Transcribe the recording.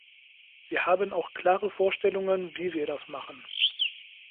Wir haben auch klare Vorstellungen, wie wir das machen.